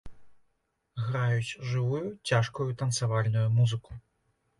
Граюць жывую цяжкую танцавальную музыку.